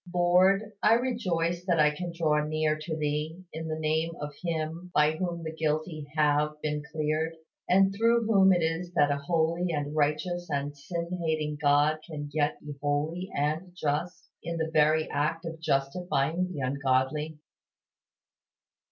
Lord, I rejoice that I can draw near to Thee in the name of Him by whom the guilty have been cleared; and through whom it is that a holy and righteous and sin hating God can yet be holy and just, in the very act of justifying the ungodly.